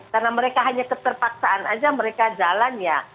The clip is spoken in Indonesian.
karena mereka hanya keterpaksaan aja mereka jalan ya